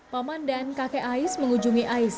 paman dan kakek ais mengunjungi ais